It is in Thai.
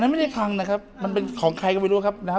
อันนั้นไม่ใช่คลังนะครับมันเป็นของใครก็ไม่รู้ครับนะครับ